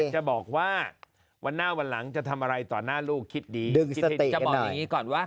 จะบอกอย่างนี้ก่อนว่า